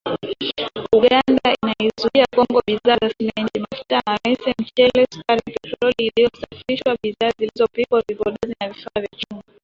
Uganda inaiuzia Kongo bidhaa za Simenti, mafuta ya mawese, mchele, sukari, petroli iliyosafishwa, bidhaa zilizopikwa, vipodozi na vifaa vya chuma